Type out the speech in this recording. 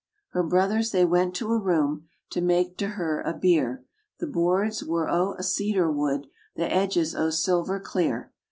Her brothers they went to a room, To make to her a bier; The boards were a* o' cedar wood, The edges o' silver clear.